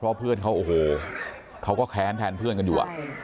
เพราะเพื่อนเขาโอ้โหเขาก็แค้นแทนเพื่อนกันอยู่